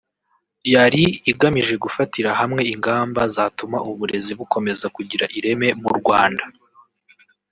yari igamije gufatira hamwe ingamba zatuma uburezi bukomeza kugira ireme mu Rwanda